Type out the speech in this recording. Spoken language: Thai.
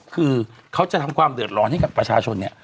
คือเขาจะทำความเดือดร้อนให้กับประชาชนเนี่ย